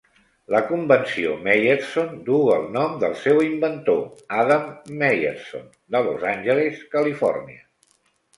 La Convenció Meyerson duu el nom del seu inventor, Adam Meyerson de Los Angeles, Califòrnia.